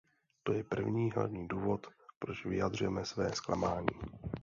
To je první hlavní důvod, proč vyjadřujeme své zklamání.